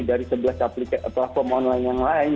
dari sebelah aplikasi online yang lain